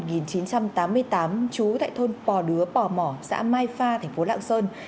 sinh năm một nghìn chín trăm tám mươi tám chú tại thôn pò đứa pò mỏ xã mai pha thành phố lạng sơn